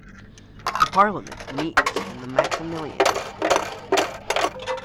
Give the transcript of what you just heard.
The parliament meets in the Maximilianeum.